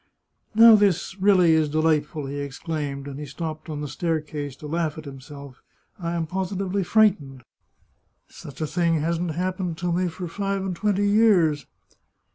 " Now this really is de lightful," he exclaimed, and he stopped on the staircase to laugh at himself. " I am positively frightened ! Such a thing hasn't happened to me for five and twenty years